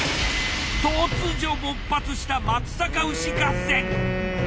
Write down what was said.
突如勃発した松阪牛合戦。